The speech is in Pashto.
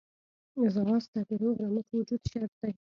ځغاسته د روغ رمټ وجود شرط دی